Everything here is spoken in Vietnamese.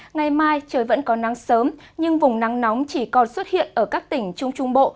ngày mai trời vẫn có nắng sớm nhưng vùng nắng nóng chỉ còn xuất hiện ở các tỉnh trung trung bộ